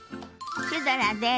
シュドラです。